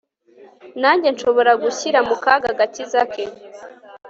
nanjye nshobora gushyira mu kaga agakiza ke